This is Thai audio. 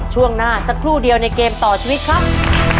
ช่วงหน้าสักครู่เดียวในเกมต่อชีวิตครับ